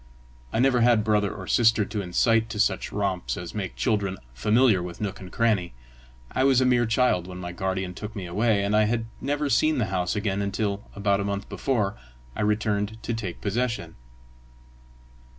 I never had brother or sister to incite to such romps as make children familiar with nook and cranny; I was a mere child when my guardian took me away; and I had never seen the house again until, about a month before, I returned to take possession.